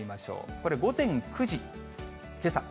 これ午前９時、けさ。